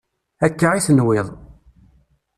Akka i tenwiḍ.